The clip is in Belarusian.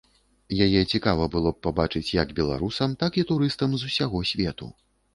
Яе цікава было б пабачыць як беларусам, так і турыстам з усяго свету.